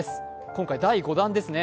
今回、第５弾ですね。